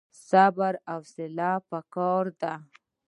صبر او حوصله پکار ده